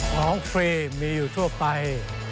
ของฟรีมีอยู่ทั่วไป